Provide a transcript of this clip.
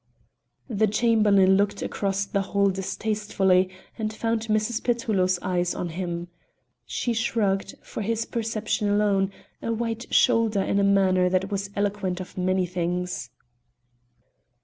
The Chamberlain looked across, the hall distastefully and found Mrs. Petullo's eyes on him. She shrugged, for his perception alone, a white shoulder in a manner that was eloquent of many things.